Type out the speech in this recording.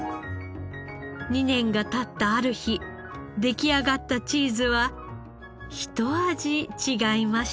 ２年が経ったある日出来上がったチーズはひと味違いました。